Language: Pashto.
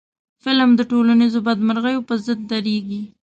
فلم د ټولنیزو بدمرغیو پر ضد درېږي